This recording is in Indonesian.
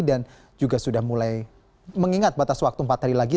dan juga sudah mulai mengingat batas waktu empat hari lagi